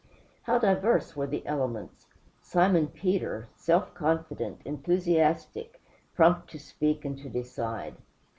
How diverse were the elements! Simon Peter, self confident, enthusiastic, prompt to speak and to decide.